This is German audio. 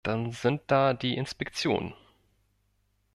Dann sind da die Inspektionen.